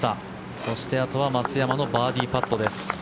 そして、あとは松山のバーディーパットです。